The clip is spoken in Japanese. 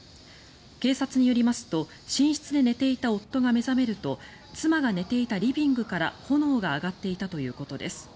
警察によりますと寝室で寝ていた夫が目覚めると妻が寝ていたリビングから炎が上がっていたということです。